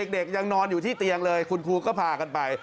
เด็กยังนอนอยู่ที่เตียงเลยคุณครูก็พากันไป